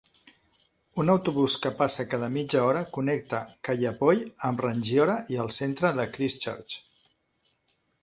Un autobús que passa cada mitja hora connecta Kaiapoi amb Rangiora i el centre de Christchurch.